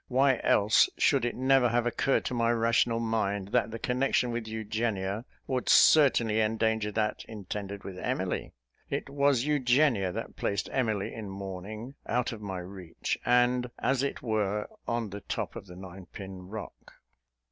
Why else should it never have occurred to my rational mind that the connection with Eugenia would certainly endanger that intended with Emily? It was Eugenia that placed Emily in mourning, out of my reach, and, as it were, on the top of the Nine Pin Rock.